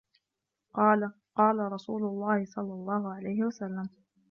قَالَ قَالَ رَسُولُ اللَّهِ صَلَّى اللَّهُ عَلَيْهِ وَسَلَّمَ